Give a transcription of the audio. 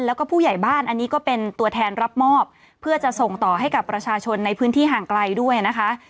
แล้วก็ผู้ใหญ่บ้านอันนี้ก็เป็นตัวแทนรับมอบเพื่อจะส่งต่อให้กับประชาชนในพื้นที่ห่างไกลด้วยนะคะ